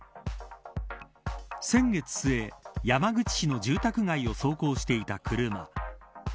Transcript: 先月末山口市の住宅街を走行していた車。